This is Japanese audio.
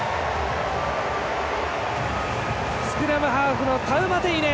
スクラムハーフのタウマテイネ。